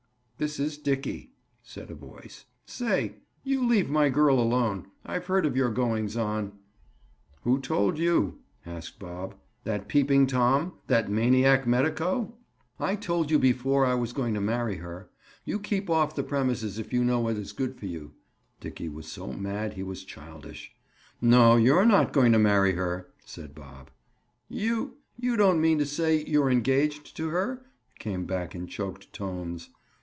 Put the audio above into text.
"This is Dickie," said a voice. "Say! you leave my girl alone. I've heard of your goings on." "Who told you?" asked Bob. "That Peeping Tom? That maniac medico?" "I told you before I was going to marry her. You keep off the premises if you know what is good for you." Dickie was so mad he was childish. "No, you're not going to marry her," said Bob. "You—you don't mean to say you're engaged to her?" came back in choked tones.